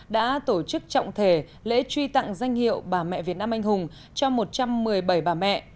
đã tổ chức trọng thể lễ truy tặng danh hiệu bà mẹ việt nam anh hùng cho một trăm một mươi bảy bà mẹ